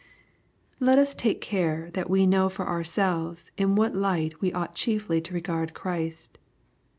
Let us take care that we know for ourselves in what light we ought chiefly to regard Christ.